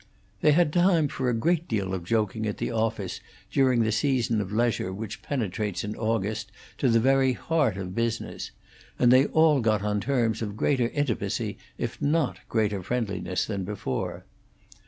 They had time for a great deal of joking at the office during the season of leisure which penetrates in August to the very heart of business, and they all got on terms of greater intimacy if not greater friendliness than before.